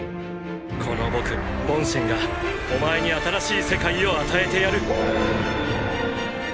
この僕ボンシェンがお前に新しい世界を与えてやる！